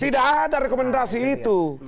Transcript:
tidak ada rekomendasi itu